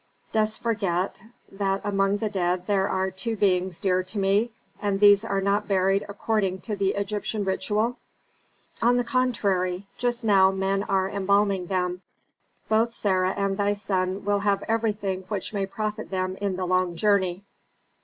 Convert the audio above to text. "Dost forget that among the dead there are two beings dear to me, and these are not buried according to Egyptian ritual." "On the contrary. Just now men are embalming them. Both Sarah and thy son will have everything which may profit them in the long journey."